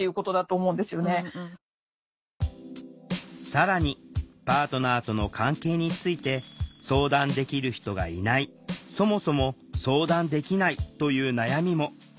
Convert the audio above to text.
更にパートナーとの関係について相談できる人がいないそもそも相談できないという悩みも。